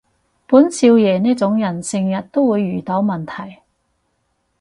本少爺呢種人成日都會遇到問題